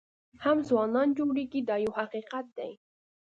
هم ځوانان جوړېږي دا یو حقیقت دی.